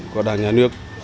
của đảng nhà nước